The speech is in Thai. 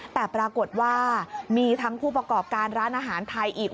แต่ปรากฏว่ามีทั้งผู้ประกอบการร้านอาหารไทยอีก